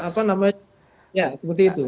apa namanya ya seperti itu